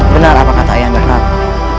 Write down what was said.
benar apa kata yanda rai